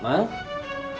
masih ada apa